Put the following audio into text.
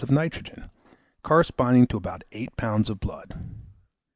of nitrogen, corresponding to about 8 lbs. of blood.